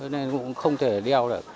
nên cũng không thể đeo được